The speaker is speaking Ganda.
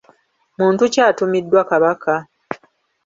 Omuntu ki atumiddwa Kabaka?